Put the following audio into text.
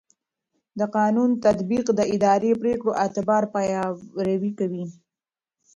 د قانون تطبیق د اداري پرېکړو اعتبار پیاوړی کوي.